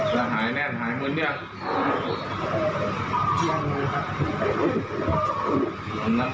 จะหายแน่นเหมือนยัง